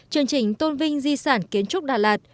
chương trình tôn vinh di sản kiến trúc đà lạt